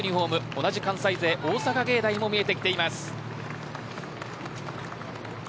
同じ関西勢の大阪芸大も見えてきています。